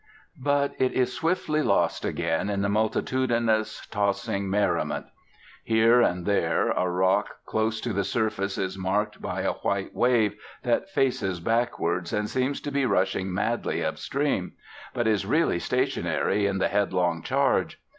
But it is swiftly lost again in the multitudinous tossing merriment. Here and there a rock close to the surface is marked by a white wave that faces backwards and seems to be rushing madly up stream, but is really stationary in the headlong charge.